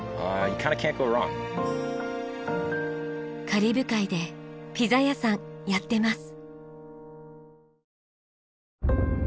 カリブ海でピザ屋さんやってます。